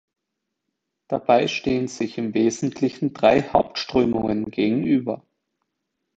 Dabei stehen sich im Wesentlichen drei Hauptströmungen gegenüber.